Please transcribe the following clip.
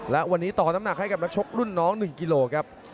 และวันนี้ต่อน้ำหนักให้กับนักชกรุ่นน้อง๑กิโลครับ